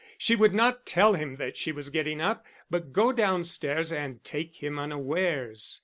She would not tell him that she was getting up, but go downstairs and take him unawares.